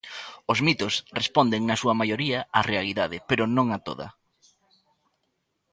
Os mitos responden na súa maioría á realidade, pero non a toda.